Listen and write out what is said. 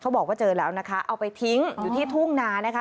บอกว่าเจอแล้วนะคะเอาไปทิ้งอยู่ที่ทุ่งนานะคะ